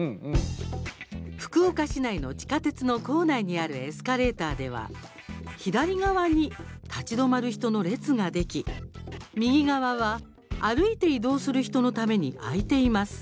福岡市内の地下鉄の構内にあるエスカレーターでは左側に立ち止まる人の列ができ右側は歩いて移動する人のために空いています。